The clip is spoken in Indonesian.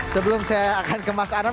sebelum saya akan ke mas anam